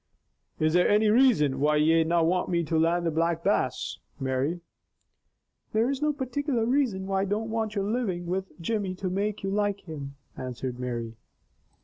"Is there any reason why ye na want me to land the Black Bass, Mary?" "There is a particular reason why I don't want your living with Jimmy to make you like him," answered Mary.